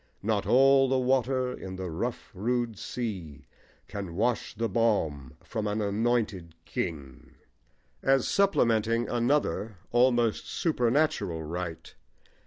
Not all the water in the rough rude sea Can wash the balm from an anointed king, as supplementing another, almost supernatural, right.